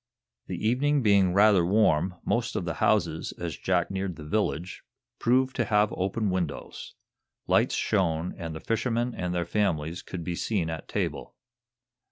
The evening being rather warm, most of the houses, as Jack neared the village, proved to have open windows. Lights shone, and the fishermen and their families could be seen at table.